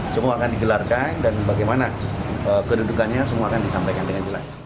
semua akan digelarkan dan bagaimana kedudukannya semua akan disampaikan dengan jelas